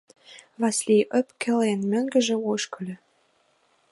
Васлий, ӧпкелен, мӧҥгыжӧ ошкыльо.